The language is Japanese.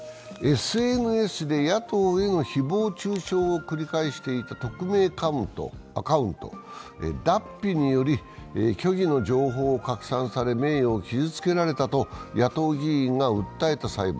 ＳＮＳで野党への誹謗中傷を繰り返していた匿名アカウント・Ｄａｐｐｉにより虚偽の情報を拡散され名誉を傷つけられたと野党議員が訴えた裁判。